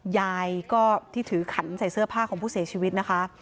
ยายก็ที่ถือขันใส่เสื้อผ้าของผู้เสียชีวิตนะคะ